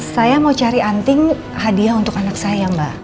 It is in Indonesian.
saya mau cari anting hadiah untuk anak saya mbak